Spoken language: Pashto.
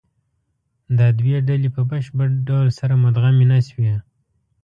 دا دوې ډلې په بشپړ ډول سره مدغمې نهشوې.